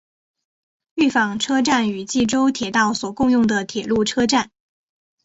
御坊车站与纪州铁道所共用的铁路车站。